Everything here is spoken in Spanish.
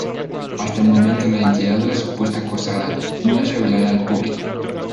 Hasta el momento la identidad de la supuesta acosada no es revelada al público.